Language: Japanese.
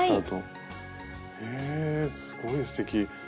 へえすごいすてき。